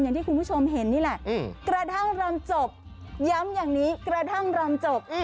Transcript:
อย่างที่คุณผู้ชมเห็นนี่แหละกระทั่งรำจบย้ำอย่างนี้กระทั่งรำจบ